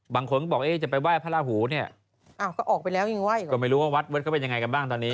บางคนบอกเอ๊ยจะไปไหว้พระราโหเนี่ยก็ไม่รู้ว่าวัดเขาเป็นยังไงกันบ้างตอนนี้